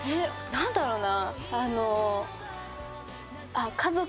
何だろうな？